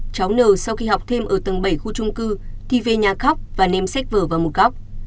cháu n sau khi học thêm ở tầng bảy khu trung cư thì về nhà khóc và nêm xách vở vào một góc